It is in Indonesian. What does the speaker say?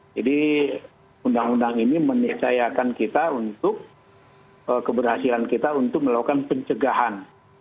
jadi undang undang ini menisayakan kita untuk keberhasilan kita untuk melakukan pencegahan